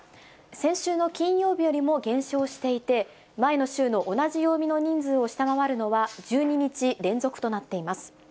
先週の金曜日よりも減少していて、前の週の同じ曜日の人数を下回るのは、１２日連続となっています。